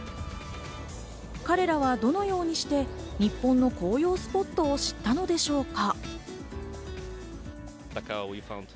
彼らはどのようにして日本の紅葉スポットを知ったのでしょうか？